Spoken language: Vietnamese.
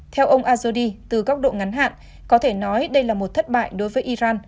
theo ông azerdi từ góc độ ngắn hạn có thể nói đây là một thất bại đối với iran